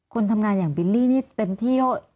คนทำงานอย่างบิลลี่นี่เป็นที่